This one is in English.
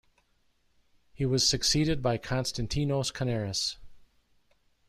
He was succeeded by Konstantinos Kanaris.